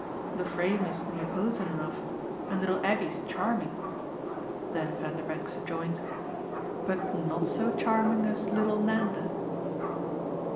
The frame is Neapolitan enough and little Aggie's charming." Then Vanderbank subjoined: "But not so charming as little Nanda."